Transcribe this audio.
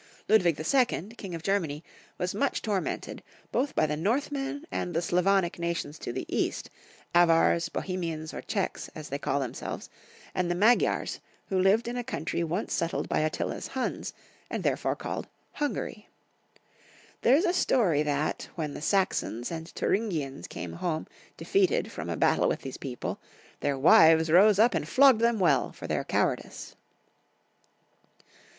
Ludwig II., King of Germany, was much tor mented, both by the Northmen and the Slavonic 78 Young Folks' History of Q ermany. nations to the east, Avars, Bohemians, or Czechs, as they call themselves, and the Magyars, who lived in the country once settled by Attila's Hiins, and therefore called Hungary. There is a story that, when the Saxons and Thuringians came home defeated from a battle with these people, their wives rose up and flogged them well for their cowardice.